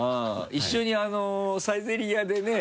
一緒に「サイゼリヤ」でね。